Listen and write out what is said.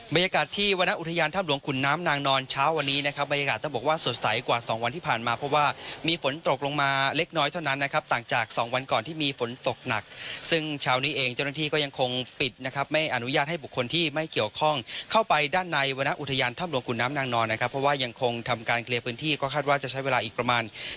บรรยากาศที่วรรณอุทยานถ้ำหลวงขุนน้ำนางนอนเช้าวันนี้นะครับบรรยากาศต้องบอกว่าสดใสกว่าสองวันที่ผ่านมาเพราะว่ามีฝนตกลงมาเล็กน้อยเท่านั้นนะครับต่างจากสองวันก่อนที่มีฝนตกหนักซึ่งเช้านี้เองเจ้าหน้าที่ก็ยังคงปิดนะครับไม่อนุญาตให้บุคคลที่ไม่เกี่ยวข้องเข้าไปด้านในวรรณอุทยานถ้ำหลว